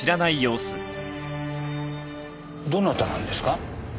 どなたなんですか？